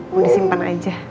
mau disimpan aja